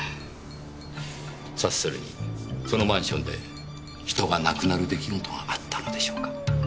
察するにそのマンションで人が亡くなる出来事があったのでしょうか？